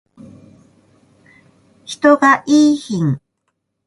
人がいーひん